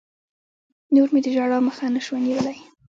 نور مې د ژړا مخه نه سوه نيولى.